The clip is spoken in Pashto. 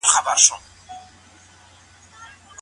پيغمبر فرمايلي چي په خرڅلاو کي بايد چل نه وي.